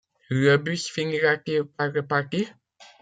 Le bus finira-t-il par repartir?